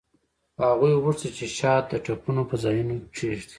هغوی غوښتل چې شات د ټپونو په ځایونو کیږدي